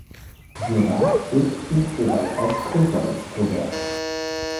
Zola hielt ihn für weitaus größer als Flaubert.